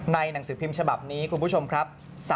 หนังสือพิมพ์ฉบับนี้คุณผู้ชมครับ